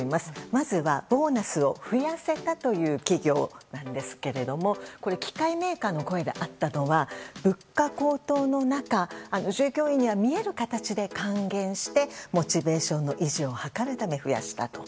まずはボーナスを増やせたという企業ですが機械メーカーの声があったのは物価高騰の中、従業員には見える形で還元してモチベーションの維持を図るため増やしたと。